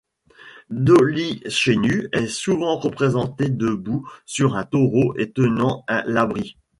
Dolichenus est souvent représenté debout sur un taureau et tenant un labrys.